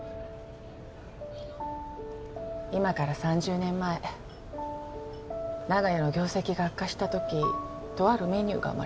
今から３０年前長屋の業績が悪化した時とあるメニューが生まれた。